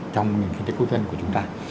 trong nền kinh tế quốc dân của chúng ta